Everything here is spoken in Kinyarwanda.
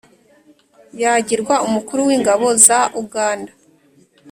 yagirwa umukuru w'ingabo za uganda,